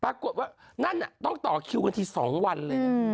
ปรากฏว่านั่นน่ะต้องต่อคิวกันที๒วันเลยนะ